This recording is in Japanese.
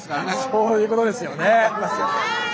そういうことですよね。